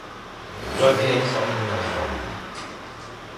زۆر پیاوی چاکە و لەگەڵ خۆمانە.